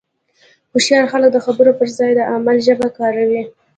هوښیار خلک د خبرو پر ځای د عمل ژبه کاروي.